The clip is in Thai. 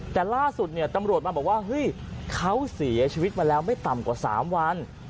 แต่ล่าสุดเนี่ยตำรวจมาบอกว่าเฮ้ยเขาเสียชีวิตมาแล้วไม่ต่ำกว่า๓วัน